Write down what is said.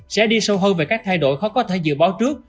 sẽ đi sâu hơn về các thay đổi khó có thể dự báo trước